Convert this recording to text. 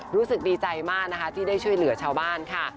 รู้สึกดีใจมากนะคะที่ได้ช่วยเหลือชาวบ้านค่ะ